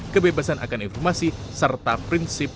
kebebasan akan informasi serta prinsip